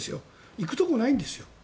行くところがないんですよ。